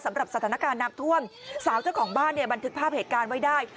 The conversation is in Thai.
สำหรับสถานการณ์น้ำท่วมสาวเจ้าของบ้านเนี่ยบันทึกภาพเหตุการณ์ไว้ได้